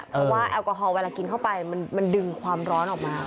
เพราะว่าแอลกอฮอลเวลากินเข้าไปมันดึงความร้อนออกมา